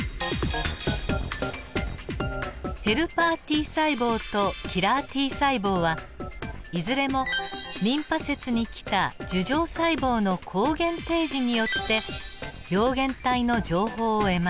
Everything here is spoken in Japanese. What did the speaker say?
ヘルパーＴ細胞とキラーＴ細胞はいずれもリンパ節に来た樹状細胞の抗原提示によって病原体の情報を得ます。